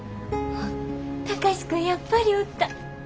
貴司君やっぱりおった。